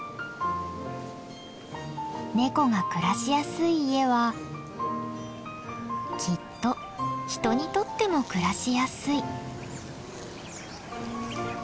ネコが暮らしやすい家はきっと人にとっても暮らしやすい。